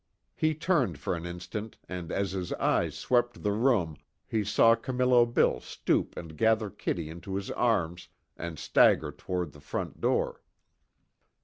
He turned for an instant and as his eyes swept the room he saw Camillo Bill stoop and gather Kitty into his arms, and stagger toward the front door.